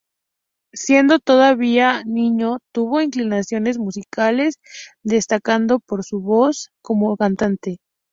Siendo todavía niño tuvo inclinaciones musicales, destacando por su voz como cantante.